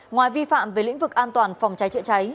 ngoài vi phạm về lĩnh vực an toàn phòng cháy chữa cháy